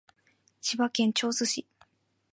千葉県銚子市